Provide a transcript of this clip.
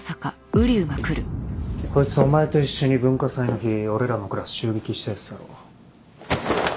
こいつお前と一緒に文化祭の日俺らのクラス襲撃したヤツだろ？